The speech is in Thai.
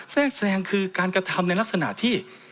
แทรกแทรงคือการกระทำในลักษณะที่